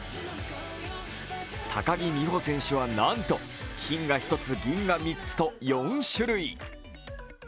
高木美帆選手は、なんと金が１つ、銀が３つと４種類。